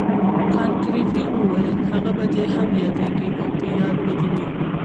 کانت ګریفي وویل هغه به دې هم یادیږي او په یاد به دې وي.